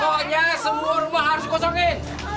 pokoknya semua rumah harus kosongin